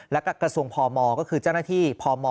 และกระทรวงพมก็คือเจ้าหน้าที่พม